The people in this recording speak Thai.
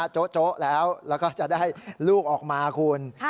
โจ๊ะแล้วแล้วก็จะได้ลูกออกมาคุณ